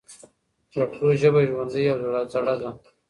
پښتو ژبه ژوندۍ او زړه ده.